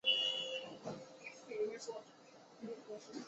他是前苏联巴拉莱卡琴演奏能手兼乐队的著名指挥。